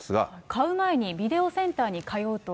買う前にビデオセンターに通うと。